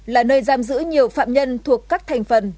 là nơi giam giữ nhiều phạm nhân thuộc các thành phần